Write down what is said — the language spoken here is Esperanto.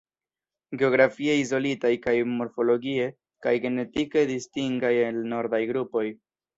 Geografie izolitaj kaj morfologie kaj genetike distingaj el nordaj grupoj.